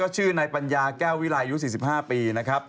ชื่อนายปัญญาแก้ววิรัยอายุ๔๕ปีนะครับ